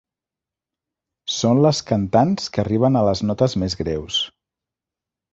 Són les cantants que arriben a les notes més greus.